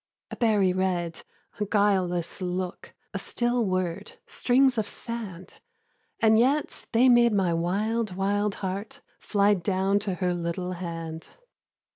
A berry red, a guileless look, A still word, strings of sand! And yet they made my wild, wild heart Fly down to her little hand.